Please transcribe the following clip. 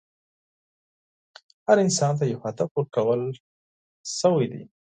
هر انسان ته یو هدف ورکړل شوی دی.